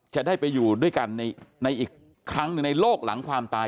จะได้ไปอยู่ด้วยกันในอีกครั้งหนึ่งในโลกหลังความตาย